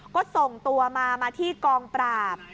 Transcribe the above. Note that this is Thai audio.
ก็ส่งตัวมามาที่กองปราบ